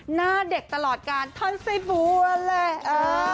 หน้าเด็กตลอดกาลทอนซีบุวันแหละ